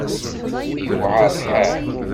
I yewεer lḥal!